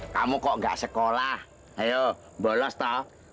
kamu kok gak sekolah ayo bolos tau